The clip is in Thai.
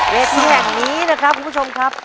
เวทีแห่งนี้นะครับคุณผู้ชมครับ